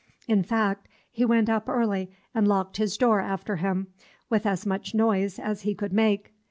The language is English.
In fact, he went up early, and locked his door after him, with as much noise as he could make.